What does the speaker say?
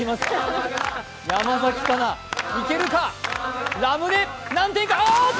山崎加奈、いけるか、ラムネ、何点か。